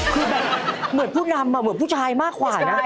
คือแบบเหมือนผู้นำเหมือนผู้ชายมากกว่านะ